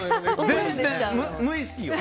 全然無意識よ。